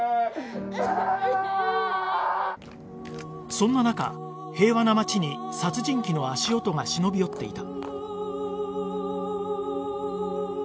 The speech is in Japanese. そんな中平和な町に殺人鬼の足音が忍び寄っていた